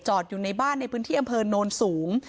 อยู่ในบ้านในพื้นที่อำเภอโนนสูง